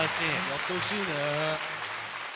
やってほしいね。